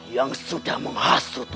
yang sudah menghasut